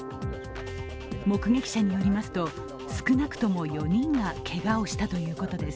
目撃者によりますと少なくとも４人がけがをしたということです。